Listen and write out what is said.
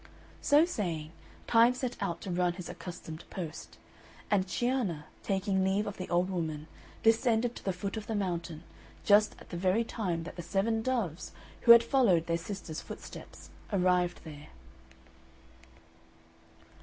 So saying, Time set out to run his accustomed post; and Cianna, taking leave of the old woman, descended to the foot of the mountain, just at the very time that the seven doves, who had followed their sister's footsteps, arrived there.